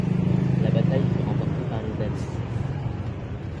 La bataille fut remportée par les Alliés.